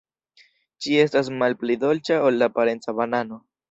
Ĝi estas malpli dolĉa ol la parenca banano.